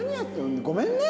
ごめんね